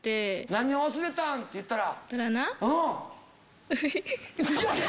「何を忘れたん？」って言ったら。